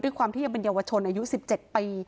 ด้วยความที่ยังเป็นเยาวชนอายุ๑๗ปี